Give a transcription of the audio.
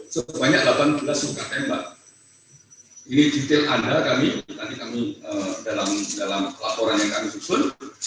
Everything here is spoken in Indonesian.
sebanyak delapan belas luka tembak ini detail anda kami tadi kami dalam laporan yang kami susun